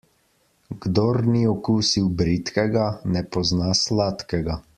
Kdor ni okusil bridkega, ne pozna sladkega.